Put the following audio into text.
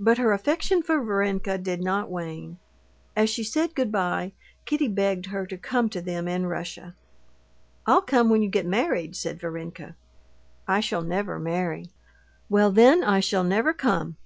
But her affection for Varenka did not wane. As she said good bye, Kitty begged her to come to them in Russia. "I'll come when you get married," said Varenka. "I shall never marry." "Well, then, I shall never come."